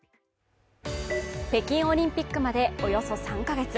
北京オリンピックまでおよそ３カ月。